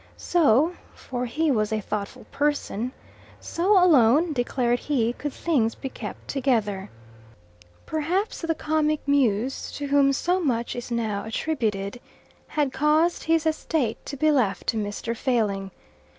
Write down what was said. So for he was a thoughtful person so alone, declared he, could things be kept together. Perhaps the Comic Muse, to whom so much is now attributed, had caused his estate to be left to Mr. Failing.